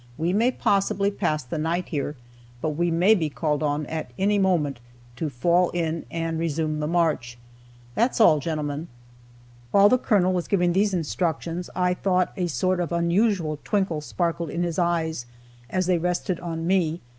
We may possibly pass the night here, but we may be called on, at any moment, to fall in and resume the march. That's all, gentlemen." While the Colonel was giving these instructions, I thought a sort of unusual twinkle sparkled in his eyes, as they rested on me.